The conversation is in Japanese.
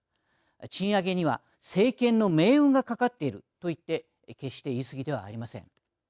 賃上げには政権の命運が懸かっているといって決して言い過ぎではありません。